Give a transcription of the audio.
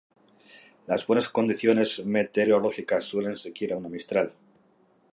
Las buenas condiciones meteorológicas suelen seguir a una Mistral.